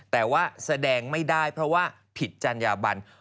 แต่ว่าแสดงไม่ได้เพราะว่าผิดจัญญาบัน